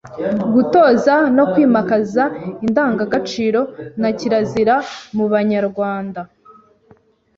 Gutoza no kwimakaza indangagaciro na kirazira mu Banyarwanda;